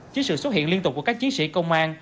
trước sự xuất hiện liên tục của các chiến sĩ công an